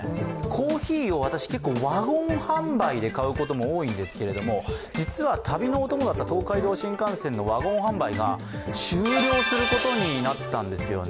コーヒーを私、結構、ワゴン販売で買うことが多いんですが実は旅のお供だった東海道新幹線のワゴン販売が終了することになったんですよね。